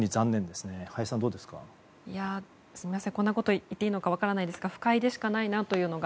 すみません、こんなこと言っていいのか分からないんですが不快でしかないなというのが。